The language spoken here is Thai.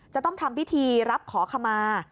จะต้องทำพิธีรับขอขมา